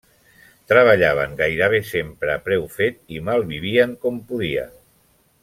Treballaven gairebé sempre a preu fet i malvivien com podien.